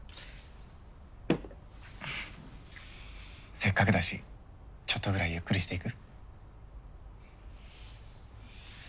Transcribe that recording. せっかくだしちょっとぐらいゆっくりしていく？